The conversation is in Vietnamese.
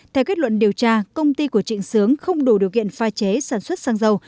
theo kết luận điều tra công ty của trịnh sướng không đủ điều kiện pha chế sản xuất xăng dầu